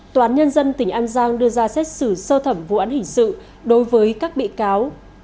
tòa án nhân dân tỉnh an giang đưa ra xét xử sơ thẩm vụ án hình sự đối với các bị cáo